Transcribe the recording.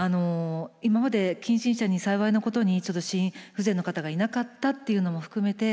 今まで近親者に幸いなことに心不全の方がいなかったっていうのも含めて。